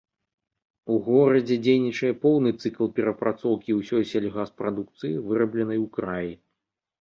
У горадзе дзейнічае поўны цыкл перапрацоўкі ўсёй сельгаспрадукцыі, вырабленай у краі.